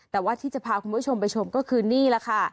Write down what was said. แต่ว่าที่จะพาคุณผู้ชมไปชมก็คือนี่แหละค่ะ